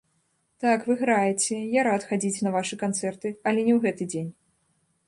Так, вы граеце, я рад хадзіць на вашы канцэрты, але не ў гэты дзень.